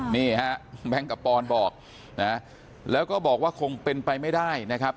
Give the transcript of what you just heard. นี่ฮะแบงค์กับปอนบอกนะแล้วก็บอกว่าคงเป็นไปไม่ได้นะครับ